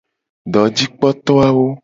Dojikpoto awo.